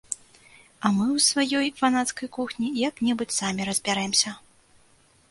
А мы ў сваёй фанацкай кухні як-небудзь самі разбярэмся.